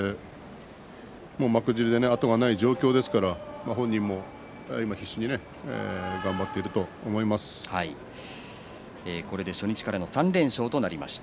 幕尻で後がない状況ですから本人も必死にこれで初日からの３連勝となりました。